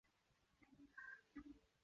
你作为天下名士必须有坚定的信念！